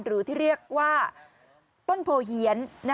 หรือที่เรียกว่าต้นโพเฮียน